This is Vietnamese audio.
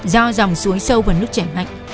do dòng suối sâu và nước chảy mạnh